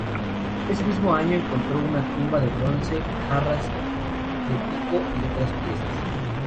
Ese mismo año encontró una tumba de bronce, jarras de pico y otras piezas.